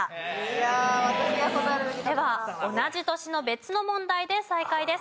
では同じ年の別の問題で再開です。